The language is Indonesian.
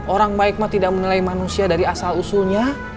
orang baik mah tidak menilai manusia dari asal usulnya